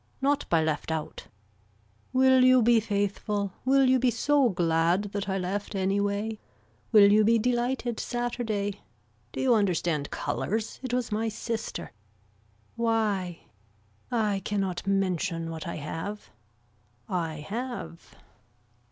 Not by left out. Will you be faithful, will you be so glad that I left any way. Will you be delighted Saturday. Do you understand colors. It was my sister. Why. I cannot mention what I have. I have.